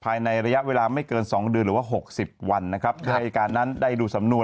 ภายในระยะเวลาไม่เกิน๒เดือนหรือว่า๖๐วันที่รายการนั้นได้รู้สำนวน